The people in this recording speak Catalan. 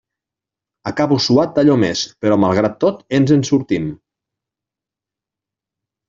Acabo suat d'allò més, però malgrat tot ens en sortim.